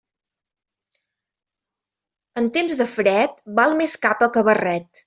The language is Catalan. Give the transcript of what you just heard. En temps de fred, val més capa que barret.